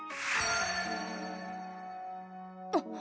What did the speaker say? あっ！